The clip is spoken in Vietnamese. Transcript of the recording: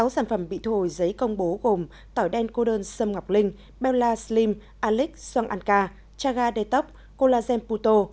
sáu sản phẩm bị thu hồi giấy công bố gồm tỏi đen cô đơn sâm ngọc linh beola slim alix xoang anca chaga detox collagen puto